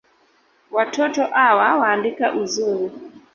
Watoto awa waandika uzuri